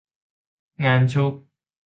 งานชุก